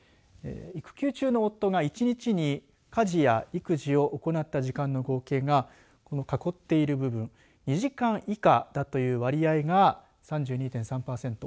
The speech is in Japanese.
育休中の夫が１日に家事や育児を行った時間の合計がこの囲っている部分２時間以下だという割合が３２．３パーセント。